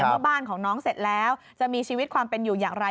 เมื่อบ้านของน้องเสร็จแล้วจะมีชีวิตความเป็นอยู่อย่างไร